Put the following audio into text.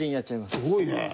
すごいね！